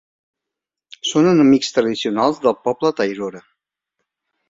Són enemics tradicionals del poble tairora.